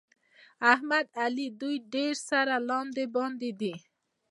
احمد او علي دوی ډېر سره لاندې باندې دي.